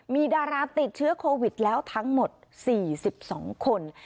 มีดาราติดเชื้อโควิดแล้วทั้งหมด๔๒คน